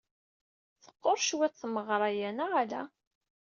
Teqqur cwiṭ tmeɣra-a, neɣ ala?